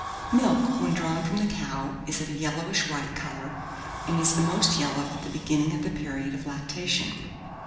1609. Milk, when drawn from the cow, is of a yellowish white colour, and is the most yellow at the beginning of the period of lactation.